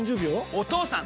お義父さん！